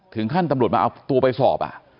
ถึงขั้นตำรวจมาเอาตัวไปสอบ